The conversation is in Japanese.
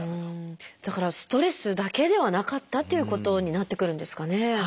だからストレスだけではなかったっていうことになってくるんですかね。